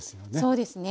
そうですね。